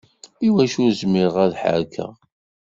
Iwacu ur zmireɣ ad ḥerrkeɣ?